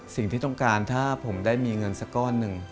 สิ่งที่ต้องการถ้าผมได้มีเงินสักก้อนหนึ่ง